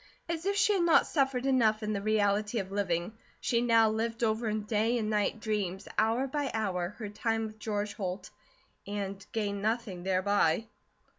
As if she had not suffered enough in the reality of living, she now lived over in day and night dreams, hour by hour, her time with George Holt, and gained nothing thereby.